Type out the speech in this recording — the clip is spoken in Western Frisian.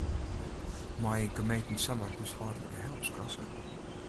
Meie gemeenten samar de húshâldlike help skrasse?